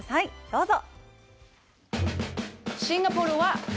どうぞ！